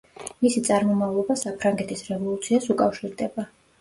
მისი წარმომავლობა საფრანგეთის რევოლუციას უკავშირდება.